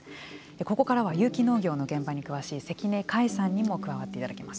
ここからは有機農業の現場に詳しい関根佳恵さんにも加わっていただきます。